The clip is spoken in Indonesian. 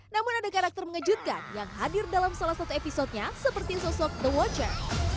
namun ada karakter mengejutkan yang hadir dalam salah satu episodenya seperti sosok the water